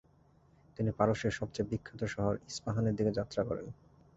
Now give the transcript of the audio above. তিনি পারস্যের সবচেয়ে বিখ্যাত শহর ইস্পাহানের দিকে যাত্রা করেন।